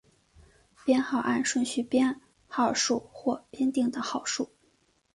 编号按顺序编号数或者编定的号数。